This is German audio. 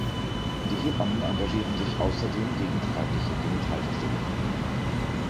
Die Hebammen engagieren sich außerdem gegen die weibliche Genitalverstümmelung.